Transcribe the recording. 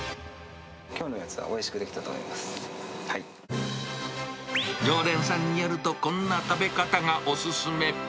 きょうのやつは、常連さんによると、こんな食べ方がお勧め。